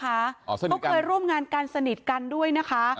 เขาเคยร่วมงานกันสนิทกันด้วยนะคะ